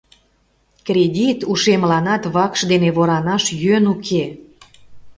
Кредит ушемланат вакш дене воранаш йӧн уке...